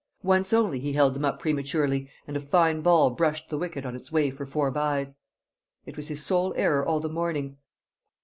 Once only he held them up prematurely, and a fine ball brushed the wicket on its way for four byes; it was his sole error all the morning.